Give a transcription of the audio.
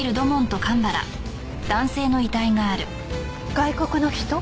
外国の人？